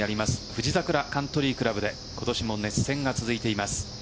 富士桜カントリー倶楽部で今年も熱戦が続いています。